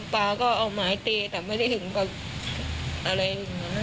ป๊าก็เอาไม้ตีแต่ไม่ได้ถึงกับอะไรอย่างเงี้ย